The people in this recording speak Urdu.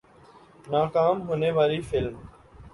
ناکام ہونے والی فلم